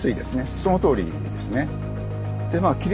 そのとおりですね。